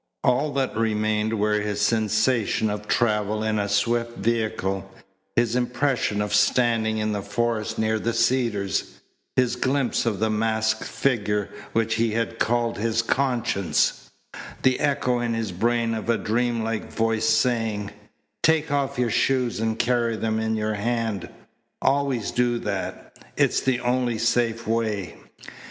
All that remained were his sensation of travel in a swift vehicle, his impression of standing in the forest near the Cedars, his glimpse of the masked figure which he had called his conscience, the echo in his brain of a dream like voice saying: "Take off your shoes and carry them in your hand. Always do that. It's the only safe way."